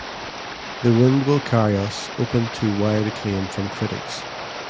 "The Wind Will Carry Us" opened to wide acclaim from critics.